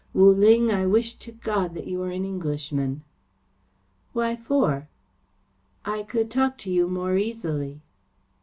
Wu Ling, I wish to God that you were an Englishman!" "Why for?" "I could talk to you more easily."